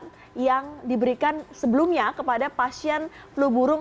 obat yang diberikan sebelumnya kepada pasien peluburung